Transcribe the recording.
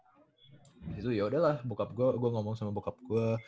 abis itu yaudah lah bokap gua gua ngomong sama bokap gua